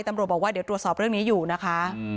ตำรวจบอกว่าเดี๋ยวตรวจสอบเรื่องนี้อยู่นะคะ